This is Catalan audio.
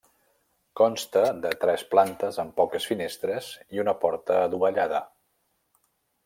Consta de tres plantes amb poques finestres i una porta adovellada.